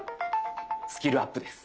スキルアップです。